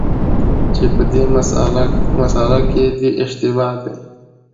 چي په دې مسأله کي دی اشتباه دی،